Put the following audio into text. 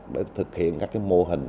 để thực hiện các cái mô hình